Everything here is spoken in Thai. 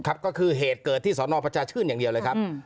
ก็คือเหตุเกิดที่สนประชาชื่นอย่างเดียวเลยครับ